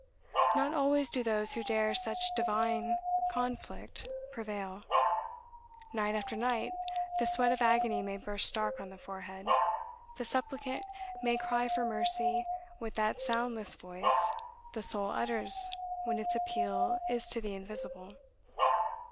"Not always do those who dare such divine conflict prevail. Night after night the sweat of agony may burst dark on the forehead; the supplicant may cry for mercy with that soundless voice the soul utters when its appeal is to the Invisible.